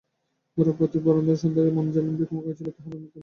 গোরার প্রতি বরদাসুন্দীর মন যেমন বিমুখ হইয়াছিল হারানও তেমনি তাঁহার প্রিয় ছিল না।